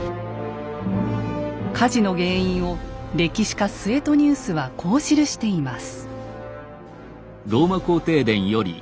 火事の原因を歴史家・スエトニウスはこう記しています。